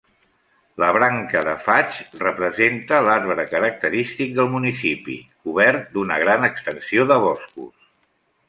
La branca de faig representa l'arbre característic del municipi, cobert d'una gran extensió de boscos.